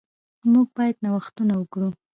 موږ باید نوښتونه وکړو.